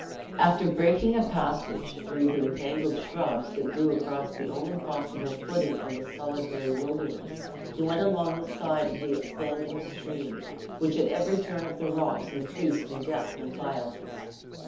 After breaking a passage, through the entangled shrubs that grew across the only possible footing in this solitary wilderness, he went along the side of the expanding stream, which at every turning of the rocks increased in depth and violence.